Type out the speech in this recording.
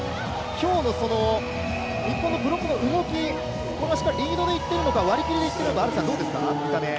今日の日本のブロックの動き、リードでいっているのか、割り切りでいっているのか、見た目、どうですか。